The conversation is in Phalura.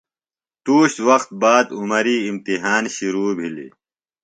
تُوش وخت باد عمری امتحان شِرو بِھلیۡ۔